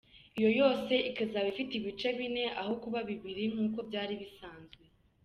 Iyo yose ikazaba ifite ibice bine aho kuba bibiri nk’uko byari bisanzwe.